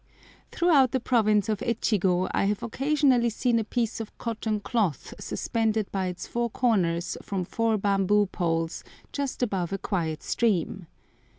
Throughout the province of Echigo I have occasionally seen a piece of cotton cloth suspended by its four corners from four bamboo poles just above a quiet stream.